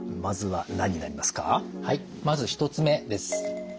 はいまず１つ目です。